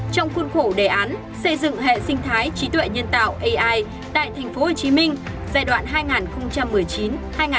trong khuôn khổ đề án xây dựng hệ sinh thái trí tuệ nhân tạo ai tại tp hcm giai đoạn hai nghìn một mươi chín hai nghìn hai mươi năm